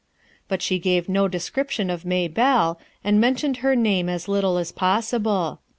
But sho gave no description of Maybelle, and mentioned her name as little as possible.